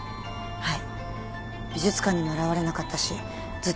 はい。